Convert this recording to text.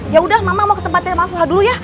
yaudah mama mau ke tempatnya mas suha dulu ya